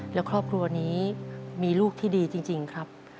และครอบครัวนี้มีลูกที่ดีจริงครับ